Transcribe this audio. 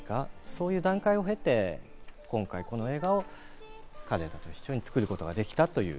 そういう段階を経て、今回この映画を彼らと一緒に作ることができた。